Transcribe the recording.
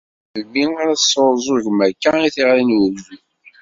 Ar melmi ara tesɛuẓẓugem akka i tiɣri n ugdud?